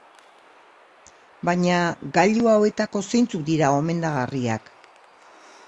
Baina, gailu hauetako zeintzuk dira gomendagarriak?